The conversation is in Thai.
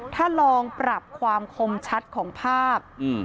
ถ้าลองปรับความคมชัดของภาพ